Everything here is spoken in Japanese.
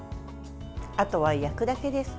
あとは焼くだけです。